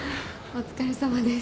お疲れさまです。